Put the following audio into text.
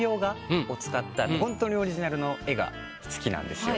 使ったほんとにオリジナルの絵が好きなんですよ。